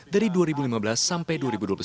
dari dua ribu lima belas sampai dua ribu dua puluh satu